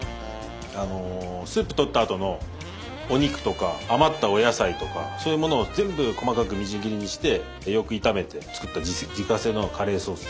スープとったあとのお肉とか余ったお野菜とかそういうものを全部細かくみじん切りにしてよく炒めて作った自家製のカレーソースです。